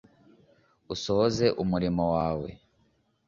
usohoze umurimo wawe